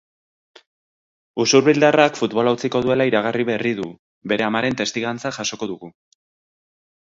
Usurbildarrak futbola utziko duela iragarri berri du, bere amaren testigantza jasoko dugu.